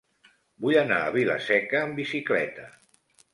Vull anar a Vila-seca amb bicicleta.